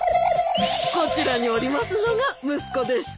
こちらにおりますのが息子でして。